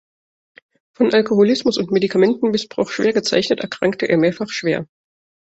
Von Alkoholismus und Medikamentenmissbrauch schwer gezeichnet, erkrankte er mehrfach schwer.